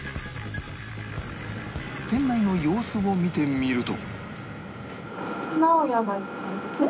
店内の様子を見てみると